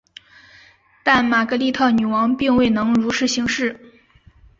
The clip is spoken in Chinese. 但玛格丽特女王并未能如实行事。